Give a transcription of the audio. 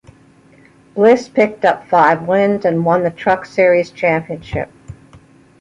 Bliss picked up five wins and won the Truck series championship.